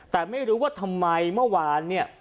แต่ไม่รู้ว่าทำไมเมื่อวานเนี่ย